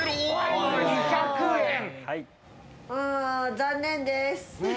残念です。